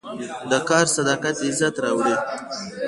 د کار صداقت عزت راوړي.